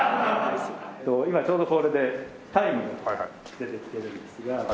今ちょうどこれでタイムが出てきてるんですが。